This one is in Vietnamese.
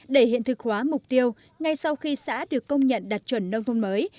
để hiện thực hóa mục tiêu ngay sau khi xã được công nhận đạt chuẩn nông thôn mới